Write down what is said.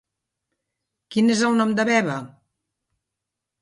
Quin és el nom de Bebe?